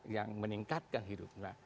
yang meningkatkan hidupnya